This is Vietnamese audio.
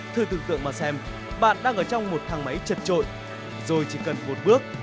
thư tưởng tượng mà xem bạn đang ở trong một thang máy chật trội rồi chỉ cần một bước